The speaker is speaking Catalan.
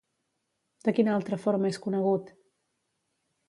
De quina altra forma és conegut?